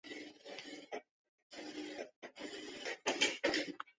甲胄海葵总科是海葵目下的一总科。